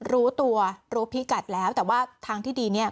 รู้ตัวรู้พิกัดแล้วแต่ว่าทางที่ดีเนี่ย